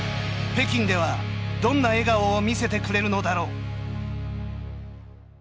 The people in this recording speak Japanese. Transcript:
北京では、どんな笑顔を見せてくれるのだろう。